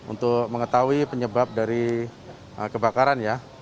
untuk mengetahui penyebab dari kebakaran ya